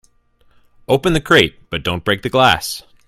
Open the crate but don't break the glass.